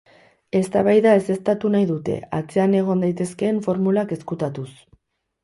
Eztabaida ezeztatu nahi dute, atzean egon daitezkeen formulak ezkutatuz.